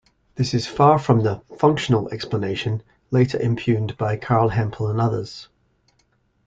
This is far from the 'functional explanation' later impugned by Carl Hempel and others.